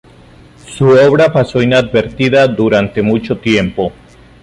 Su obra pasó inadvertida durante mucho tiempo.